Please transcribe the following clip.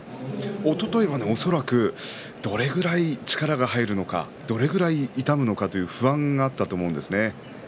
おとといは恐らくどれくらい力が入るのかどれくらい痛むのかという不安があったと思うんですよね。